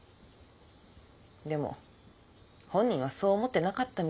でも本人はそう思ってなかったみたい。